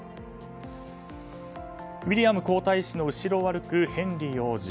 ウィリアム皇太子の後ろを歩くヘンリー王子。